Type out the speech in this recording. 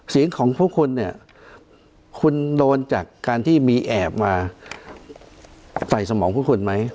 เสียงของพวกคุณเนี่ยคุณโดนจากการที่มีแอบมาใส่สมองพวกคุณไหม